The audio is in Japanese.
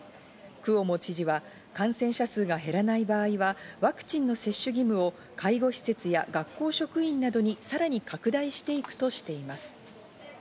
クオモ知事は感染者数が減らない場合はワクチンの接種義務を介護施設や学校職員などにさらに拡大していくとしています。